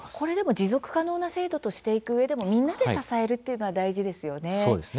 持続可能な制度としていくうえでもみんなで支えるのは大事ですよね。